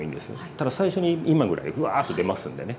ただ最初に今ぐらいウワーッと出ますんでね。